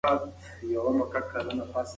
انټرنیټ د تفریح او زده کړې یو ځای دی.